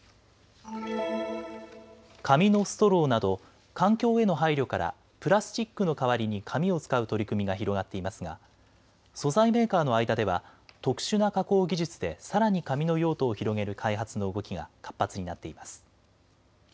紙のストローなど環境への配慮からプラスチックの代わりに紙を使う取り組みが広がっていますが素材メーカーの間では特殊な加工技術でさらに紙の用途を広げる開発の動きが活発になっています。